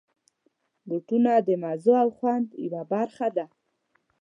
بوټونه د مزو او خوند یوه برخه ده.